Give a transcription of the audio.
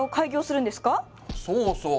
そうそう。